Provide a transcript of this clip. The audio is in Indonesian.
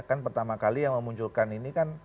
kan pertama kali yang memunculkan ini kan